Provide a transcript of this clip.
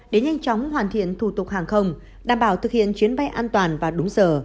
để nhanh chóng hoàn thiện thủ tục hàng không đảm bảo thực hiện chuyến bay an toàn và đúng giờ